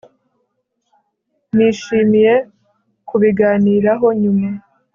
nishimiye kubiganiraho nyuma